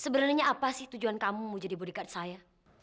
sebenernya apa sih tujuan kamu mau jadi bodyguard saya